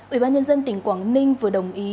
ủy ban nhân dân tỉnh quảng ninh vừa đồng ý